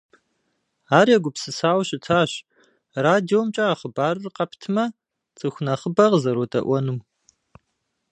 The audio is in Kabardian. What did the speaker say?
Ар егупсысауэ щытащ радиомкӏэ а хъыбарыр къэптмэ, цӏыху нэхъыбэ къызэродэӏуэнум.